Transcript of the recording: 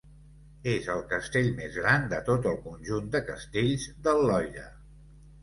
És el castell més gran de tot el conjunt de castells del Loira.